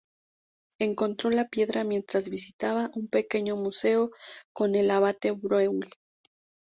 Encontró la piedra mientras visitaba un pequeño museo con el abate Breuil.